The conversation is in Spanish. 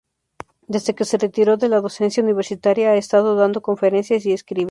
Desde que se retiró de la docencia universitaria, ha estado dando conferencias; y, escribe.